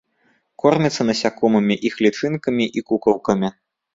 Корміцца насякомымі, іх лічынкамі і кукалкамі.